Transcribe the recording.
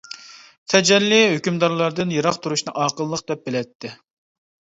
تەجەللى ھۆكۈمدارلاردىن يىراق تۇرۇشنى ئاقىللىق دەپ بىلەتتى.